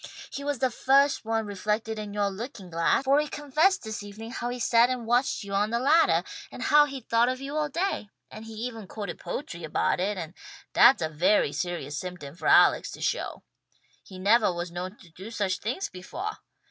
He was the first one reflected in yoah looking glass, for he confessed this evening how he sat and watched you on the laddah, and how he'd thought of you all day; and he even quoted poetry about it, and that's a very serious symptom for Alex to show. He nevah was known to do such things befoah!